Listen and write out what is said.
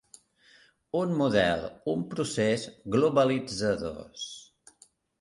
Un model, un procés globalitzadors.